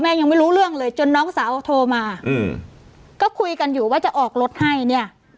ยังไม่รู้เรื่องเลยจนน้องสาวโทรมาอืมก็คุยกันอยู่ว่าจะออกรถให้เนี่ย